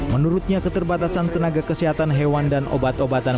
menurutnya keterbatasan tenaga kesehatan hewan dan obat obatan